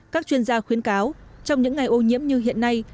các chuyên gia khuyến cáo trong những ngày ô nhiễm như hiện nay